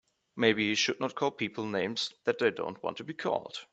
Maybe he should not call people names that they don't want to be called.